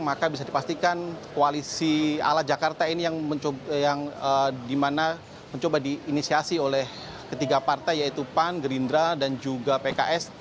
maka bisa dipastikan koalisi ala jakarta ini yang dimana mencoba diinisiasi oleh ketiga partai yaitu pan gerindra dan juga pks